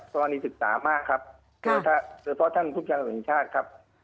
ตัวนี้ศึกษามากครับเพราะท่านผู้จำกาลแรกแข็งชาติครับ